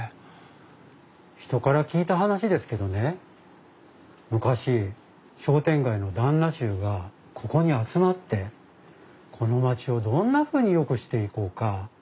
人から聞いた話ですけどね昔商店街の旦那衆がここに集まってこの街をどんなふうによくしていこうか話し合った場所らしいです。